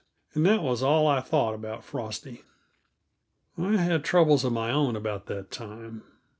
And that was all I thought about Frosty. I had troubles of my own, about that time.